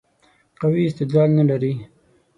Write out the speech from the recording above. قوي استدلال نه لري.